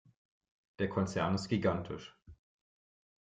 Der Konzern ist gigantisch.